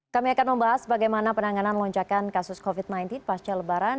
kami akan membahas bagaimana penanganan lonjakan kasus covid sembilan belas pasca lebaran